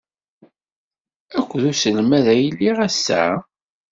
Akked uselmad ay tellid ass-a?